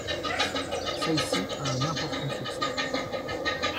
Celle-ci a un important succès.